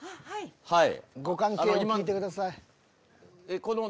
はい。